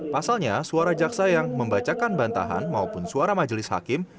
pasalnya suara jaksa yang membacakan bantahan maupun suara majelis hakim